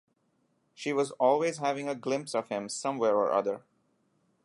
She was always having a glimpse of him somewhere or other.